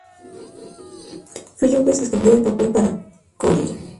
Fellowes escribió el papel para Coyle.